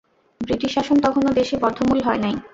British শাসন তখনও দেশে বদ্ধমূল হয় নাই।